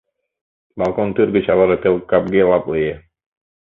Балкон тӱр гыч аваже пел капге лап лие.